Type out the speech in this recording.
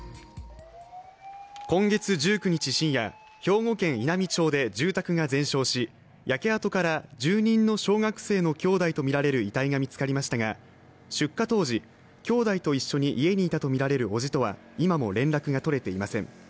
今月１９日深夜、兵庫県稲美町で住宅が全焼し焼け跡から住人の小学生の兄弟とみられる遺体が見つかりましたが出火当時、兄弟と一緒に家にいたとみられるおじとは今も連絡が取れていません。